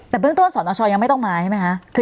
แต่เบื้องต้นสนชยังไม่ต้องมาใช่ไหมคะ